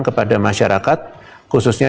kepada masyarakat khususnya